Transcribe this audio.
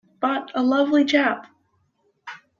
But a lovely chap!